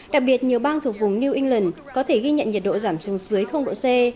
đặc biệt nhiều bang thuộc vùng new england có thể ghi nhận nhiệt độ giảm xuống dưới độ c